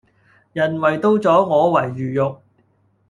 人為刀俎我為魚肉